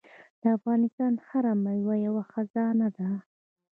د افغانستان هره میوه یوه خزانه ده.